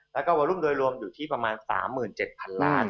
แล้วก็วอรุ่นโดยรวมอยู่ที่ประมาณ๓๗๐๐๐ล้าน